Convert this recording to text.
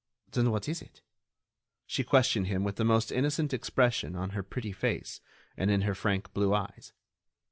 Then what is it?" She questioned him with the most innocent expression on her pretty face and in her frank blue eyes.